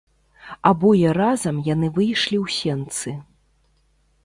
Абое разам яны выйшлі ў сенцы.